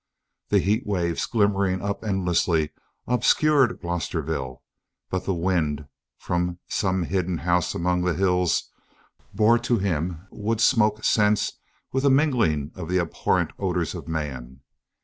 The heat waves, glimmering up endlessly, obscured Glosterville, but the wind, from some hidden house among the hills, bore to him wood smoke scents with a mingling of the abhorrent odors of man.